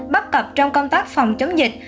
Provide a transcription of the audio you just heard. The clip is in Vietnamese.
bắt cập trong công tác phòng chống dịch